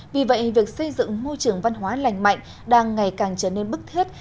vì vậy việc xây dựng môi trường văn hóa lành mạnh đang ngày càng trở nên bức thiết